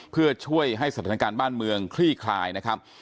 เพื่อช่วยให้สถานการณ์บ้านเมืองคลี่คลายนะครับ